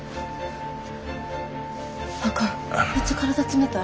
あかんめっちゃ体冷たい。